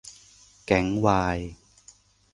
แก๊งวาย